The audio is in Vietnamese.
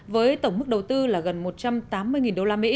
với tổng mức đầu tư là gần một trăm tám mươi usd